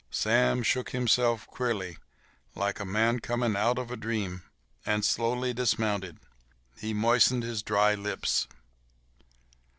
Sam shook himself queerly, like a man coming out of a dream, and slowly dismounted. He moistened his dry lips.